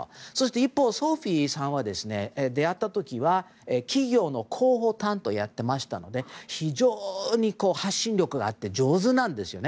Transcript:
一方のソフィーさんは出会った時は、企業の広報担当をやっていましたので非常に発信力があって上手なんですよね。